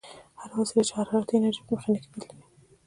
هره وسیله چې حرارتي انرژي په میخانیکي بدلوي.